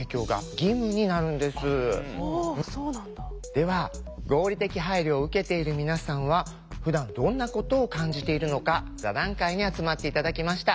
では合理的配慮を受けている皆さんはふだんどんなことを感じているのか座談会に集まって頂きました。